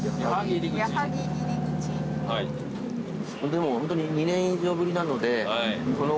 でもホントに２年以上ぶりなのでこの。